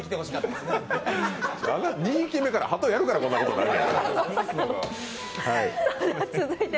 ２匹目からハトやるからこんなことになる。